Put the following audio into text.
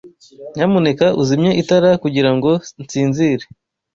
Nyamuneka uzimye itara kugirango nsinzire.